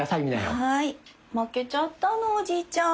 負けちゃったのおじいちゃん。